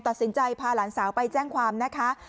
ตัดสินใจพาหลานสาวไปแจ้งความนะคะ